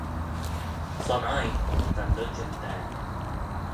Son ain, va noidyn da.